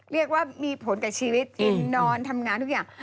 เรียกว่ามีผลกับชีวิตกินนอนทำงานทุกอย่าง